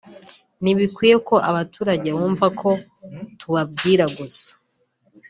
ntibikwiye ko abaturage bumva ko tubabwira gusa